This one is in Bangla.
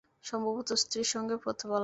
সম্ভবত স্ত্রীর সঙ্গে প্রথম আলাপ করবেন।